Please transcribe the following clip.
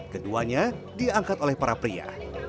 keduanya diangkat oleh para pria